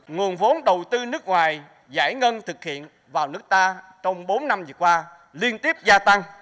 nguồn vốn đầu tư nước ngoài giải ngân thực hiện vào nước ta trong bốn năm vừa qua liên tiếp gia tăng